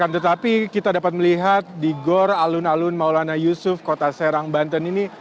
tetapi kita dapat melihat di gor alun alun maulana yusuf kota serang banten ini